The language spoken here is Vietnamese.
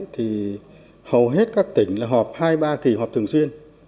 thì hầu hết các tỉnh là họp hai ba kỳ họp thường xuyên